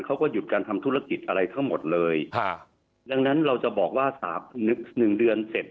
เขาก็หยุดการทำธุรกิจอะไรทั้งหมดเลยค่ะดังนั้นเราจะบอกว่าสามนึกหนึ่งเดือนเสร็จ